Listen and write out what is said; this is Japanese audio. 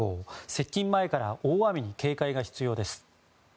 接近前から大雨に警戒が必要です。